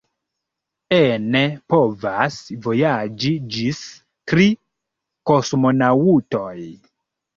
Ene povas vojaĝi ĝis tri kosmonaŭtoj.